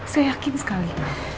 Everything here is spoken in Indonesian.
saya yakin sekali